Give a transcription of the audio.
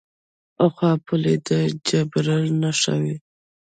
پخوا پولې د جبر نښه وې.